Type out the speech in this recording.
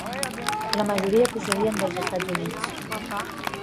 La majoria procedien dels Estats Units.